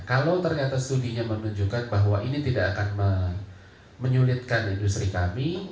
kalau ternyata studinya menunjukkan bahwa ini tidak akan menyulitkan industri kami